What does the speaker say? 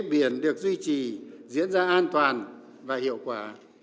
biển được duy trì diễn ra an toàn và hiệu quả